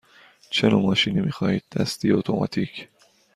چه نوع ماشینی می خواهید – دستی یا اتوماتیک؟